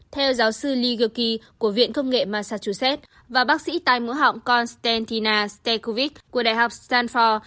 theo giáo sư lee guky của viện công nghệ massachusetts và bác sĩ tài mũa họng konstantina stekovic của đại học stanford